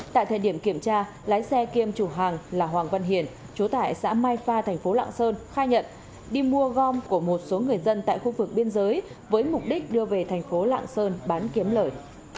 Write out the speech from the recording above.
tại thời điểm kiểm tra lái xe kiêm chủ hàng là hoàng văn hiền chú tại xã mai pha thành phố lạng sơn khai nhận đi mua gom của một số người dân tại khu vực biên giới với mục đích đưa về thành phố lạng sơn bán kiếm lời